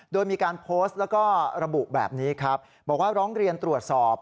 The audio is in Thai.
โดยมีการโพสต์แล้วก็ระบุแบบนี้ครับบอกว่าร้องเรียนตรวจสอบ